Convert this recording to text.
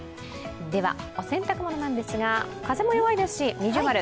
では、お洗濯ものなんですが風も弱いですし、◎。